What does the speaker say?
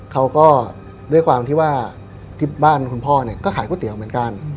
เขาก็ด้วยความที่ว่าที่บ้านคุณพ่อเนี่ยก็ขายก๋วยเตี๋ยวเหมือนกัน